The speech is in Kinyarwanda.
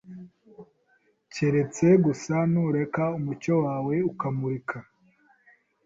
keretse gusa nureka umucyo wawe ukamurika,